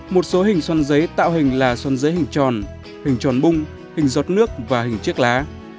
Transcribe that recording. một số hình xoắn giấy tạo hình là xoắn giấy hình tròn hình tròn bung hình giọt nước và hình chiếc lá